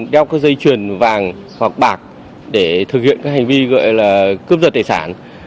đeo các dây chuyền vàng hoặc bạc để thực hiện các hành vi gọi là cướp giật tài sản